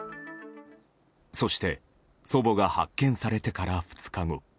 そして、祖母が発見されてから２日後。